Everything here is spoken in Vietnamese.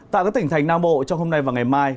tại các tỉnh thành nam bộ trong hôm nay và ngày mai